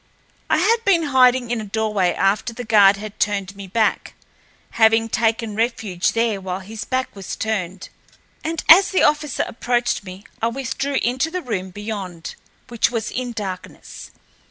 I had been hiding in a doorway after the guard had turned me back, having taken refuge there while his back was turned, and, as the officer approached me, I withdrew into the room beyond, which was in darkness.